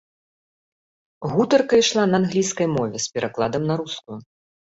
Гутарка ішла на англійскай мове з перакладам на рускую.